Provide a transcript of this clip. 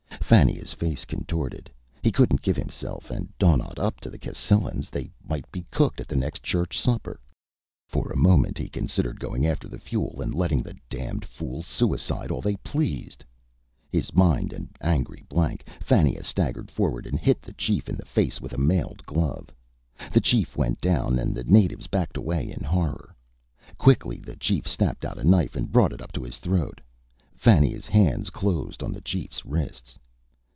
Fannia's face contorted. He couldn't give himself and Donnaught up to the Cascellans. They might be cooked at the next church supper. For a moment he considered going after the fuel and letting the damned fools suicide all they pleased. His mind an angry blank, Fannia staggered forward and hit the chief in the face with a mailed glove. The chief went down, and the natives backed away in horror. Quickly, the chief snapped out a knife and brought it up to his throat. Fannia's hands closed on the chief's wrists.